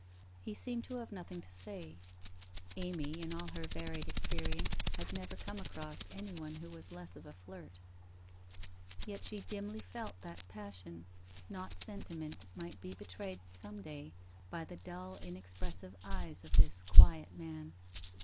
He seemed to have nothing to say. Amy in all her varied experience, had never come across any one who was loss of a flirt. Yet she dimly felt that passion, not sentiment, might be betrayed, some day, by the dull inexpressive eyes of this 'quiet' man.